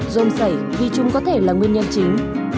rôm sảy thì chúng có thể là nguyên nhân chính